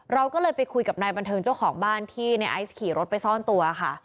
เราก็เลยไปคุยกับนายบันเทิงเจ้าของบ้านที่ในไอซ์ขี่รถไปซ่อนตัวค่ะ